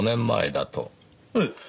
ええ。